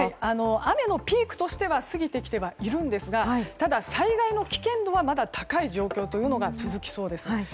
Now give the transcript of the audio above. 雨のピークとしては過ぎてきてはいますがただ、災害の危険度はまだ高い状況が続きそうです。